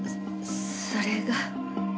それが。